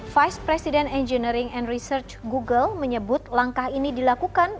vice president engineering and research google menyebut langkah ini dilakukan